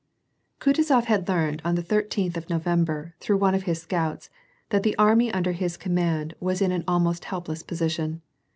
Kutuzof had learned on the thirteenth of November, through one of his scouts, that the army under his command was in an almost helpless position.